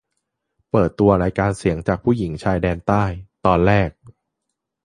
เปิดตัวรายการเสียงจากผู้หญิงชายแดนใต้ ตอนแรก